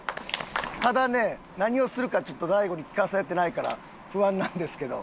ただね何をするかちょっと大悟に聞かされてないから不安なんですけど。